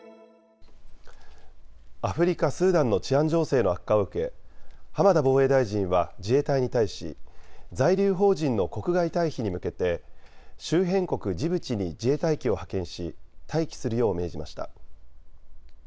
アフリカ・スーダンの治安情勢の悪化を受け浜田防衛大臣は自衛隊に対し在留邦人の国外退避に向けて周辺国ジブチに自衛隊機を派遣し待機するよう命じました。